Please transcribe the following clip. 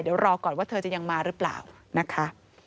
เดี๋ยวรอก่อนว่าเธอจะยังมาหรือเปล่านะคะ